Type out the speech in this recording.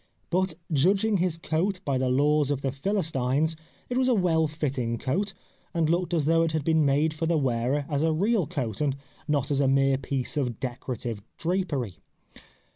But judging his coat by the laws of the Philistines it was a well fitting coat and looked as though it had been made for the wearer as a real coat and not as a mere piece of decorative drapery.